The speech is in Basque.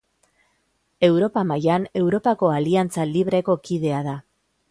Europa mailan Europako Aliantza Libreko kidea da.